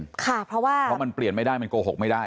เพราะว่าเพราะมันเปลี่ยนไม่ได้มันโกหกไม่ได้